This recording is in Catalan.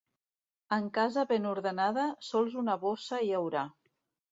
En casa ben ordenada, sols una bossa hi haurà.